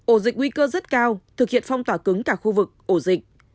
ổ dịch nguy cơ rất cao thực hiện phong tỏa cứng cả khu vực ổ dịch